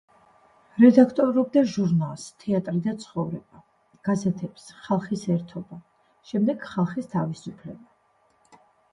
რედაქტორობდა ჟურნალს „თეატრი და ცხოვრება“, გაზეთებს „ხალხის ერთობა“, შემდეგ „ხალხის თავისუფლება“.